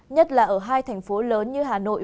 nhất là ở hai thành phố lớn như hà nội